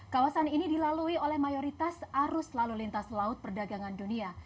kawasan ini dilalui oleh mayoritas arus lalu lintas laut perdagangan dunia